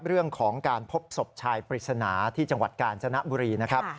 เรื่องของการพบศพชายปริศนาที่จังหวัดกาญจนบุรีนะครับ